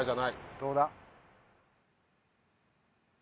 どうだ？